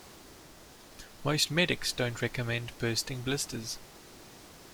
Most medics don't recommend bursting blisters